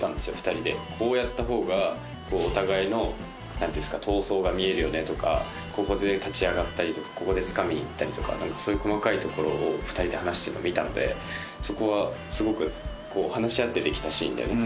２人でこうやった方がお互いの闘争が見えるよねとかここで立ち上がったりとかここでつかみにいったりとかそういう細かいところを２人で話してるのを見たんでそこはすごく話し合ってできたシーンだよね